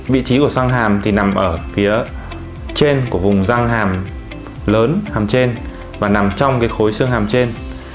vị trí của xoang hàm thì nằm ở phía trên của vùng răng hàm lớn hàm trên và nằm trong khối xương hàm trên